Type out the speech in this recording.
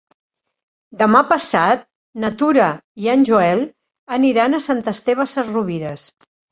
Demà passat na Tura i en Joel aniran a Sant Esteve Sesrovires.